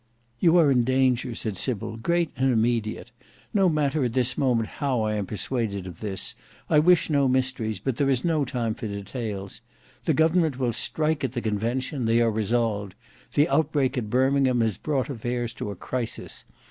"You are in danger," said Sybil, "great and immediate. No matter at this moment how I am persuaded of this I wish no mysteries, but there is no time for details. The government will strike at the Convention; they are resolved. This outbreak at Birmingham has brought affairs to a crisis.